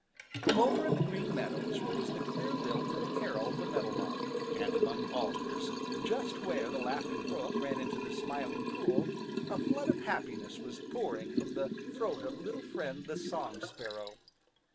From over in the Green Meadows rose the clear lilt of Carol the Meadow Lark, and among the alders just where the Laughing Brook ran into the Smiling Pool a flood of happiness was pouring from the throat of Little Friend the Song Sparrow.